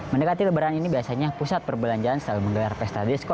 mendekati lebaran ini biasanya pusat perbelanjaan selalu menggelar pesta disko